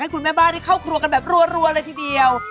คุณแม่บ้านได้เข้าครัวกันแบบรัวเลยทีเดียว